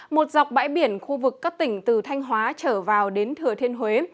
một dọc bãi biển khu vực các tỉnh từ thanh hóa trở vào đến thừa thiên huế